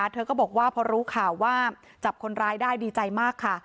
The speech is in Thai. เธอก็บอกว่าพอรู้ข่าวว่าจับคนร้ายได้ดีใจมากค่ะ